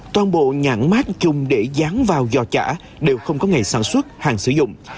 toàn bộ nhãn mát chung để dán vào giò chả đều không có ngày sản xuất hàng sử dụng